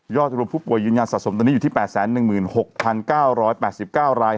ยอดรวมผู้ป่วยยืนยาสะสมตอนนี้อยู่ที่แปดแสนหนึ่งหมื่นหกพันเก้าร้อยแปดสิบเก้าราย